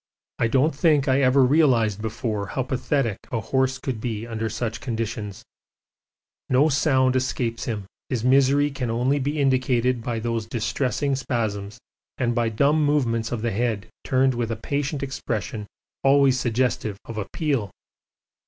I don't think I ever realised before how pathetic a horse could be under such conditions; no sound escapes him, his misery can only be indicated by those distressing spasms and by dumb movements of the head turned with a patient expression always suggestive of appeal.